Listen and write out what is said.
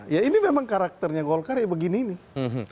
ya ini memang karakternya golkar ya begini nih